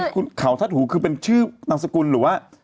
คุณเขาทัดหูคือเป็นชื่อนามสกุลหรือว่า